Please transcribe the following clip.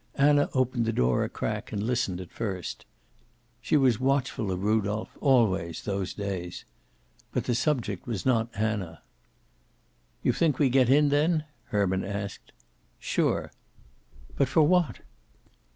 Anna opened the door a crack and listened at first. She was watchful of Rudolph, always, those days. But the subject was not Anna. "You think we get in, then?" Herman asked. "Sure." "But for what?"